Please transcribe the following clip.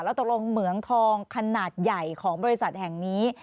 แล้วตกลงเหมืองทองขนาดใหญ่ของบริษัทแห่งนี้